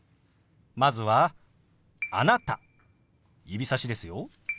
まずは「あなた」指さしですよ。